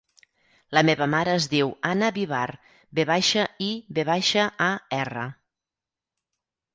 La meva mare es diu Ana Vivar: ve baixa, i, ve baixa, a, erra.